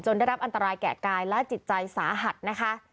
ได้รับอันตรายแก่กายและจิตใจสาหัสนะคะ